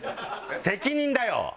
責任だよ！